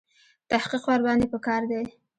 تحقیق ورباندې په کار دی.